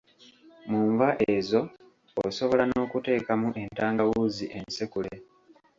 Mu nva ezo osobola n'okuteekamu entangawuuzi ensekule.